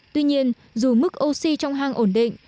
tuy nhiên dù mức oxy trong hang ổn định